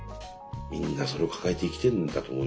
みんなそれを抱えて生きてるんだと思いますけどね。